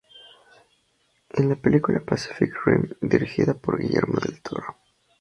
En la película "Pacific Rim", dirigida por Guillermo del Toro.